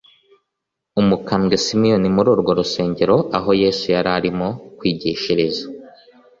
Umukambwe Simiyoni, muri urwo rusengero aho Yesu yari arimo kwigishiriza,